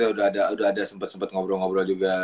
udah ada sempet sempet ngobrol ngobrol juga